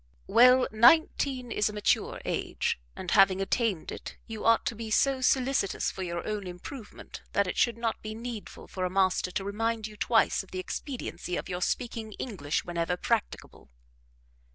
"Well, nineteen is a mature age, and, having attained it, you ought to be so solicitous for your own improvement, that it should not be needful for a master to remind you twice of the expediency of your speaking English whenever practicable."